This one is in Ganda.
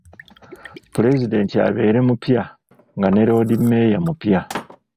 Pulezidenti abeere mupya nga ne Loodimmeeya mupya.